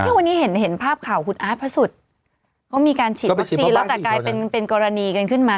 วันนี้เห็นภาพข่าวคุณอาร์ตพระสุทธิ์เขามีการฉีดวัคซีนแล้วแต่กลายเป็นกรณีกันขึ้นมา